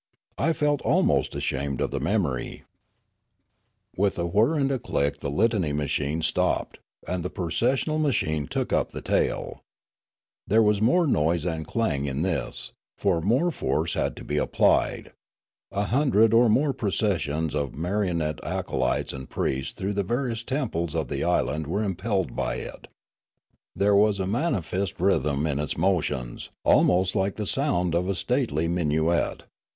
I felt almost ashamed of the memory. Broolyi 3^7 With a whirr and a click the litany machine stopped, and the processional machine took up the tale. There was more noise and clang in this, for more force had to be applied ; a hundred or more processions of mari onette acolytes and priests through the various temples of the island were impelled by it. There was a mani fest rhythm in its motions, almost like the sound of a stately minuet.